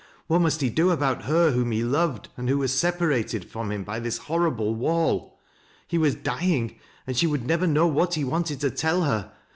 What must he do about her whom he loved, and who was separated from him by this horrible wall ] He tvas dying, and she would never know what he wanted to tell her.